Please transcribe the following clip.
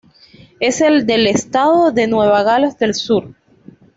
Es el del estado de Nueva Gales del Sur.